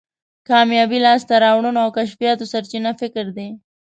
کامیابی، لاسته راوړنو او کشفیاتو سرچینه فکر دی.